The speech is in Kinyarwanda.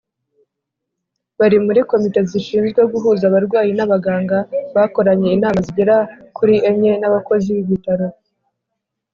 bari muri Komite Zishinzwe Guhuza Abarwayi n Abaganga bakoranye inama zigera kuri enye n abakozi b ibitaro